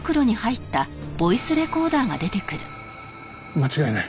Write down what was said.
間違いない。